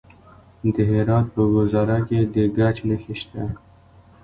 د هرات په ګذره کې د ګچ نښې شته.